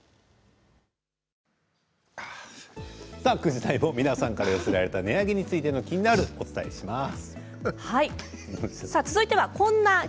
９時台も皆さんから寄せられた値上げについての「キニナル」をお伝えします。